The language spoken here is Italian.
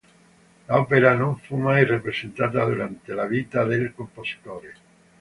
L'opera non fu mai rappresentata durante la vita del compositore.